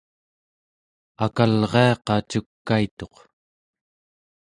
akalriaqa cukaituq